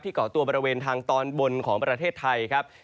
เกาะตัวบริเวณทางตอนบนของประเทศไทยครับ